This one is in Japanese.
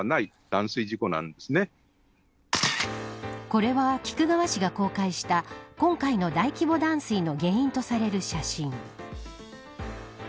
これは菊川市が公開した今回の大規模断水の原因とされる写真。